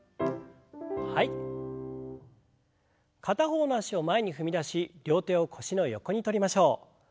片方の脚を前に踏み出し両手を腰の横に取りましょう。